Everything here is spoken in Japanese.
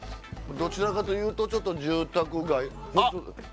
どちらかというとちょっと住宅街あ！